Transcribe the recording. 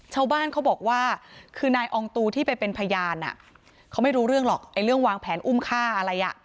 ชาวบ้านเขาบอกว่าคือนายอองตูที่ไปเป็นพยานเขาไม่รู้เรื่องหรอกไอ้เรื่องวางแผนอุ้มฆ่าอะไรอ่ะ